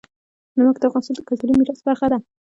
نمک د افغانستان د کلتوري میراث برخه ده.